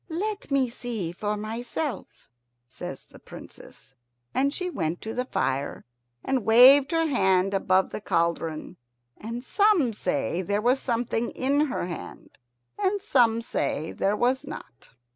"Let me see for myself," says the Princess, and she went to the fire and waved her hand above the cauldron. And some say there was something in her hand, and some say there was not.